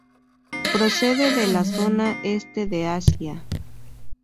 Procede de la zona este de Asia.